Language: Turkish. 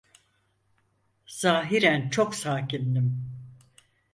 Zâhiren çok sakindim.